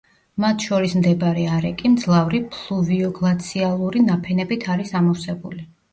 მათ შორის მდებარე არე კი მძლავრი ფლუვიოგლაციალური ნაფენებით არის ამოვსებული.